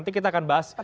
nanti kita akan bahas